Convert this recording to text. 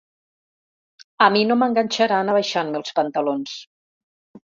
A mi no m’enganxaran abaixant-me els pantalons.